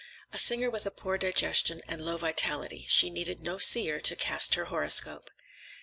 A singer with a poor digestion and low vitality; she needed no seer to cast her horoscope.